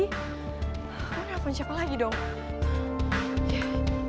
udah pencet aja gue gak nganggap nganggap dia lagi